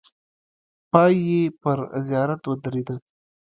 پای یې پر زیارت درېده.